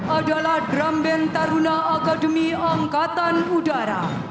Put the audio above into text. adalah drum band taruna akademi angkatan udara